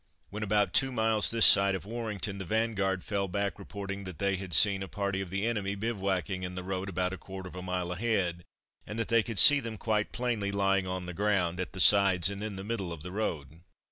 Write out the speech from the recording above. When about two miles this side of Warrington, the vanguard fell back reporting that they had seen a party of the enemy bivouacking in the road about a quarter of a mile ahead, and that they could see them quite plainly lying on the ground, at the sides and in the middle of the road.